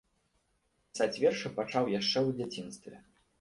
Пісаць вершы пачаў яшчэ ў дзяцінстве.